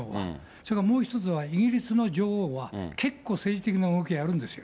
それからもう一つはイギリスの女王は、結構政治的な動きをやるんですよ。